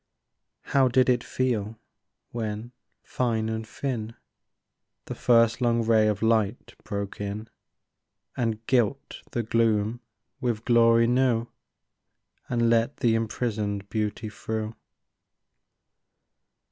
How did it feel when, fine and thin, The first long ray of light broke in, And gilt the gloom with glory new, And let the imprisoned beauty through